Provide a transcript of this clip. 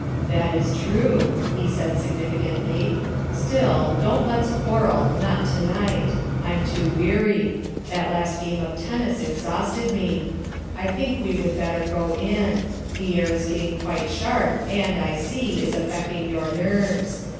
"That is true," he said significantly. "Still, don't let's quarrel, not to night; I'm too weary; that last game of tennis exhausted me. I think we would better go in ; the air is getting quite sharp and, I see, is affecting your nerves.